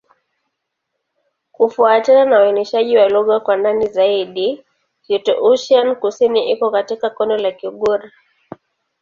Kufuatana na uainishaji wa lugha kwa ndani zaidi, Kitoussian-Kusini iko katika kundi la Kigur.